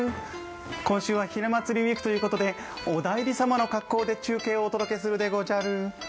今週はひな祭りウイークということで、お内裏様の格好で中継をお届けするでおじゃる。